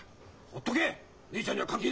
ほっとけ！